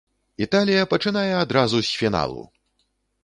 Італія пачынае адразу з фіналу!